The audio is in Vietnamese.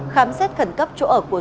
khám xét khẩn cấp chỗ ở của dũng